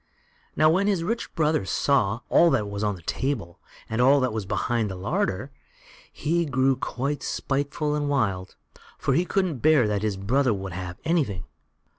Now, when his rich brother saw all that was on the table, and all that was behind in the larder, he grew quite spiteful and wild, for he couldn't bear that his brother should have anything.